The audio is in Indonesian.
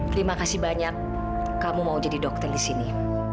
terima kasih banyak kamu mau jadi dokter di sini